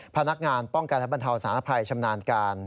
พนักงานป้องกันและบรรเทาสารภัยชำนาญการ